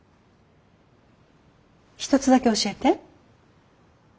一つだけ教えて。